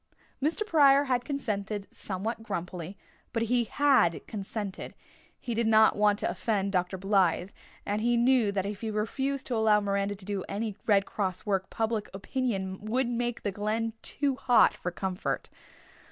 Mr. Pryor had consented somewhat grumpily, but he had consented he did not want to offend Dr. Blythe, and he knew that if he refused to allow Miranda to do any Red Cross work public opinion would make the Glen too hot for comfort.